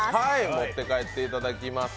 持って帰っていただきます。